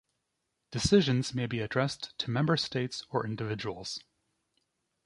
Decisions may be addressed to member states or individuals.